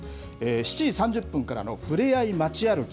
７時３０分からのふれあい街歩き。